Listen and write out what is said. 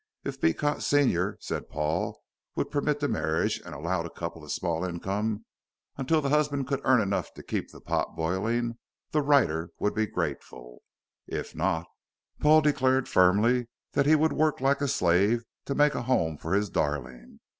If Beecot senior, said Paul, would permit the marriage, and allow the couple a small income until the husband could earn enough to keep the pot boiling, the writer would be grateful. If not, Paul declared firmly that he would work like a slave to make a home for his darling.